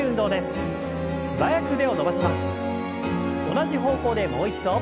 同じ方向でもう一度。